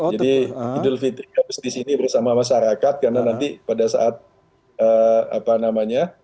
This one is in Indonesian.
jadi hidup fitri habis di sini bersama masyarakat karena nanti pada saat apa namanya